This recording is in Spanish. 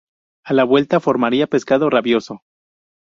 A la vuelta formaría Pescado Rabioso.